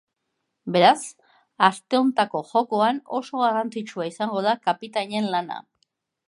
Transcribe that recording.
Beraz, aste honetako jokoan oso garrantzitsua izango da kapitainen lana.